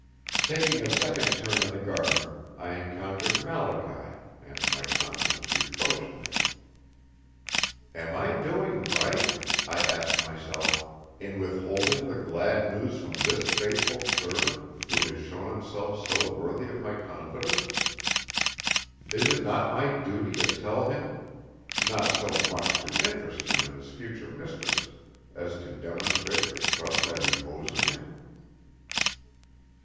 Taking a second turn in the garden I encountered Malachy, and my conscience reproached me. "Am I doing right," I asked myself, "in withholding the glad news from this faithful servant who has shown himself so worthy of my confidence? Is it not my duty to tell him not so much to interest him in his future mistress as to demonstrate the trust I repose in him?"